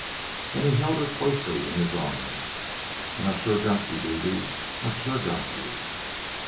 Again he held her closely in his arms. "And I've sure got you, Dede. I've sure got you.